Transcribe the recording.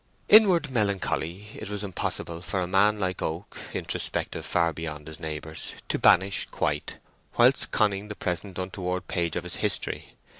Inward melancholy it was impossible for a man like Oak, introspective far beyond his neighbours, to banish quite, whilst conning the present untoward page of his history.